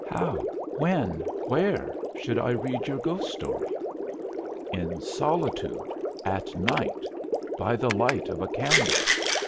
How, when, where should I read your ghost story?" "In solitude at night by the light of a candle.